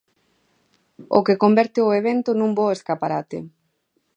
O que converte o evento nun bo escaparate.